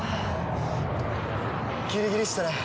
ギリギリしたね。